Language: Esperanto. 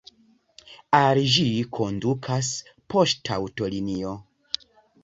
Al ĝi kondukas poŝtaŭtolinio.